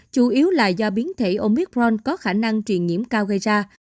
chủ yếu là do biến thể omicron có khả năng truyền nhiễm cao gây ra